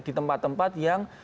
di tempat tempat yang